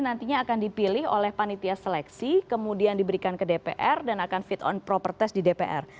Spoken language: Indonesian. nantinya akan dipilih oleh panitia seleksi kemudian diberikan ke dpr dan akan fit and proper test di dpr